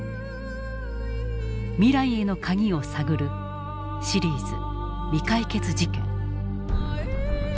未来への鍵を探るシリーズ「未解決事件」。